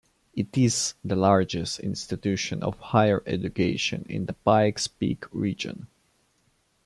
It is the largest institution of higher education in the Pikes Peak region.